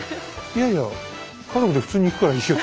いやいや家族で普通に行くからいいよ。